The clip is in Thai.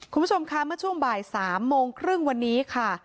คุณผู้ชมค่ะเมื่อช่วงบ่าย๓โมงครึ่งวันนี้ค่ะ